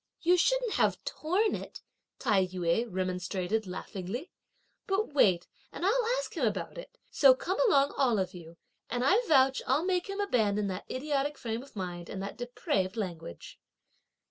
"You shouldn't have torn it!" Tai yü remonstrated laughingly. "But wait and I'll ask him about it! so come along all of you, and I vouch I'll make him abandon that idiotic frame of mind and that depraved language."